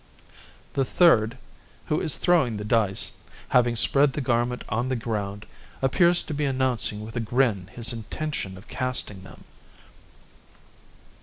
The third, who is throwing the dice, having spread the garment on the ground, appears to be announcing with a grin his intention of casting them.